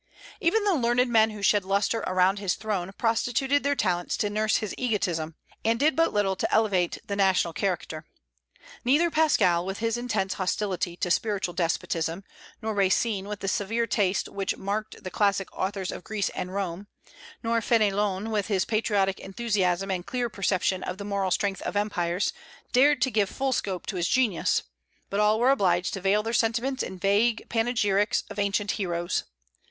Even the learned men who shed lustre around his throne prostituted their talents to nurse his egotism, and did but little to elevate the national character. Neither Pascal with his intense hostility to spiritual despotism, nor Racine with the severe taste which marked the classic authors of Greece and Rome, nor Fénelon with his patriotic enthusiasm and clear perception of the moral strength of empires, dared to give full scope to his genius, but all were obliged to veil their sentiments in vague panegyrics of ancient heroes.